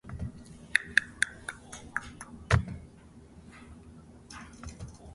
As reaction females' reproduction can decrease or even stop.